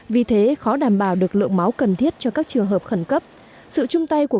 vì thế khó đảm bảo được lượng máu cần thiết cho các trường hợp khẩn cấp sự chung tay của